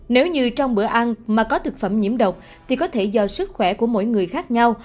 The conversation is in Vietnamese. nếu như trong bữa ăn mà có thực phẩm nhiễm độc thì có thể do sức khỏe của mỗi người khác nhau